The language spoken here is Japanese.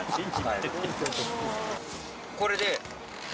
これで。